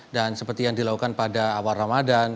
dan seperti yang dilakukan pada awal ramadan